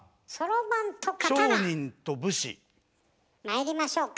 まいりましょうか。